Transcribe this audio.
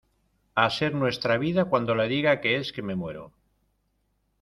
a ser nuestra vida cuando le diga que es que me muero